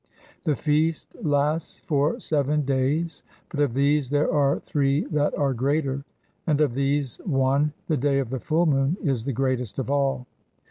The feast lasts for seven days; but of these there are three that are greater, and of these, one, the day of the full moon, is the greatest of all.